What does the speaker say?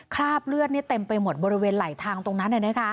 คราบเลือดเต็มไปหมดบริเวณไหลทางตรงนั้น